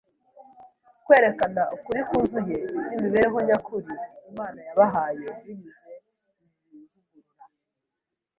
kwerekana ukuri kuzuye n’imibereho nyakuri Imana yabahaye binyuze mu ivugurura